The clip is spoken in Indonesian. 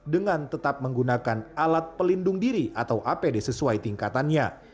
dengan tetap menggunakan alat pelindung diri atau apd sesuai tingkatannya